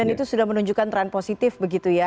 itu sudah menunjukkan tren positif begitu ya